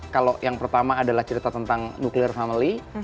kalau yang pertama adalah cerita tentang nkcthi